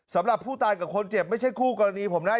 สำหรับผู้ตายกับคนเจ็บไม่ใช่คู่กรณีผมนะ